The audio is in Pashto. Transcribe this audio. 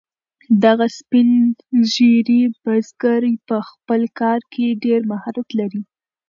دغه سپین ږیری بزګر په خپل کار کې ډیر مهارت لري.